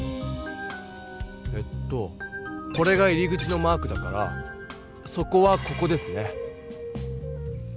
えっとこれが入り口のマークだから底はここですね。